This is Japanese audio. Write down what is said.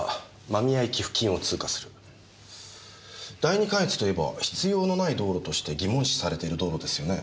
第二関越といえば必要のない道路として疑問視されている道路ですよね。